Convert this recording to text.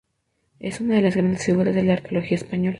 Es una de las grandes figuras de la arqueología española.